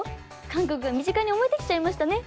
韓国が身近に思えてきちゃいましたね。